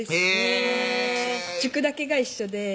塾だけが一緒でへぇ